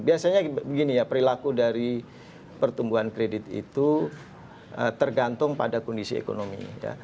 biasanya begini ya perilaku dari pertumbuhan kredit itu tergantung pada kondisi ekonomi